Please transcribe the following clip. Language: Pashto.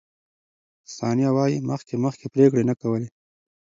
ثانیه وايي، مخکې مخکې پرېکړې نه کولې.